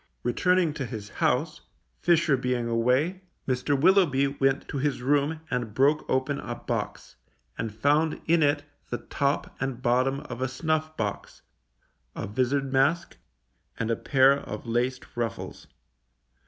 Returning to his house, Fisher being away, Mr. Willoughby went to his room and broke open a box, and found in it the top and bottom of a snuff box, a vizard mask, and a pair of laced ruffles.